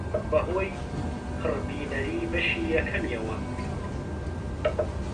بەهۆی پڕبینەری بەشی یەکەمیەوە